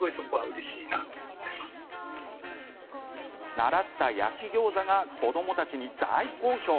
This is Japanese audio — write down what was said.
習った焼きギョーザが子どもたちに大好評。